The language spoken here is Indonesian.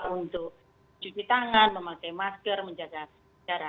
untuk cuci tangan memakai masker menjaga jarak